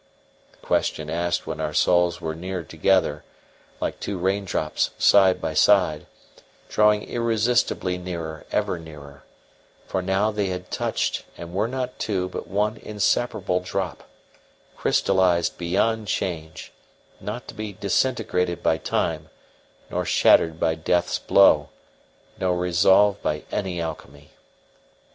the question asked when our souls were near together, like two raindrops side by side, drawing irresistibly nearer, ever nearer: for now they had touched and were not two, but one inseparable drop, crystallized beyond change, not to be disintegrated by time, nor shattered by death's blow, nor resolved by any alchemy.